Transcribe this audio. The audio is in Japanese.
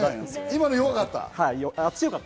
今のは強かった。